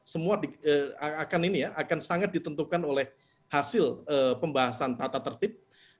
semua akan ini ya akan sangat ditentukan oleh hasil pembahasan tata tertib